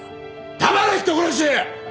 黙れ人殺し！